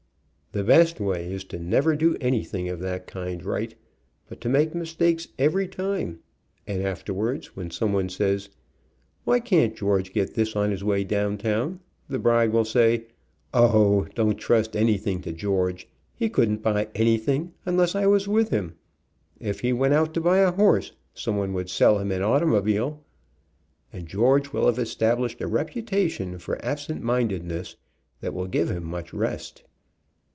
The best way is to never do anything of that kind right, but to make mistakes every time, and afterwards, when someone says, "Why can't George get this on his way downtown?" the bride will say, "O, don't trust anything to George. He couldn't buy anything unless I was with him. If he went out to buy a horse, someone would sell him an automobile," and George will have established a reputation for absent mindedness that will give him much rest.